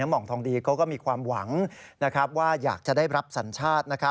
หมองทองดีเขาก็มีความหวังว่าอยากจะได้รับสัญชาติ